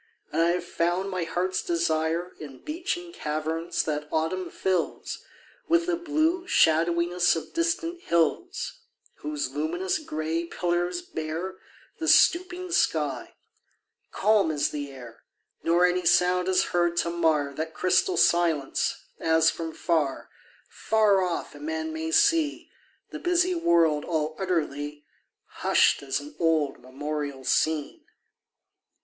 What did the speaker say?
And I have found my heart's desire In beechen caverns that autumn fills With the blue shadowiness of distant hills; Whose luminous grey pillars bear The stooping sky: calm is the air, Nor any sound is heard to mar That crystal silence as from far, Far off a man may see The busy world all utterly Hushed as an old memorial scene.